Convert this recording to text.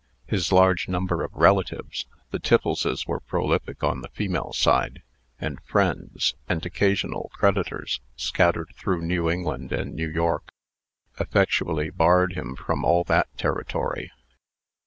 His large number of relatives (the Tiffleses were prolific on the female side) and friends, and occasional creditors, scattered through New England and New York, effectually barred him from all that territory.